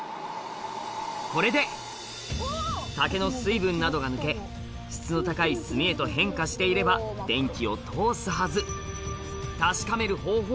これで竹の水分などが抜け質の高い炭へと変化していれば電気を通すはず